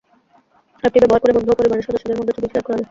অ্যাপটি ব্যবহার করে বন্ধু ও পরিবারের সদস্যদের মধ্যে ছবি শেয়ার করা যায়।